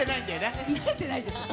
慣れてないです。